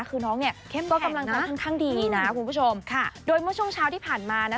คือน้องเนี่ยเข้มก็กำลังใจค่อนข้างดีนะคุณผู้ชมค่ะโดยเมื่อช่วงเช้าที่ผ่านมานะ